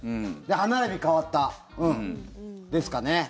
歯並び変わったですかね。